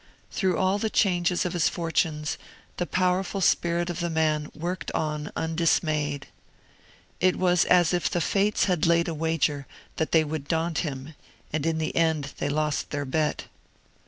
Through all the changes of his fortunes the powerful spirit of the man worked on undismayed. It was as if the Fates had laid a wager that they would daunt him; and in the end they lost their bet.